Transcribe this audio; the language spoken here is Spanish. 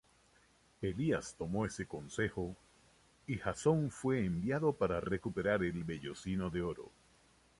Pelias tomó ese consejo y Jasón fue enviado para recuperar el vellocino de oro.